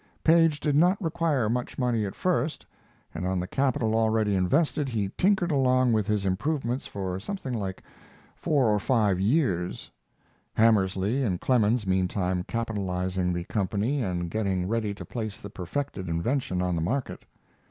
Paige did not require much money at first, and on the capital already invested he tinkered along with his improvements for something like four or five years; Hamersley and Clemens meantime capitalizing the company and getting ready to place the perfected invention on the market.